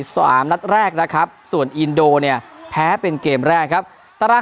สามนัดแรกนะครับส่วนอินโดเนี่ยแพ้เป็นเกมแรกครับตาราง